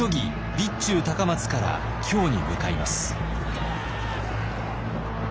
備中高松から京に向かいます。